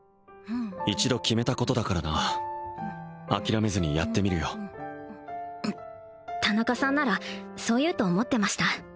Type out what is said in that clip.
一度決めたことだからな諦めずにやってみるよ田中さんならそう言うと思ってました